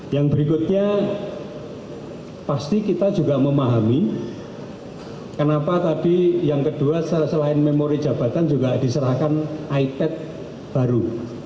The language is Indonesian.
yang berikutnya pasti kita juga memahami kenapa tadi yang kedua selain memori jabatan juga diserahkan ipad baru